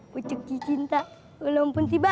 kucuki cinta walaupun tiba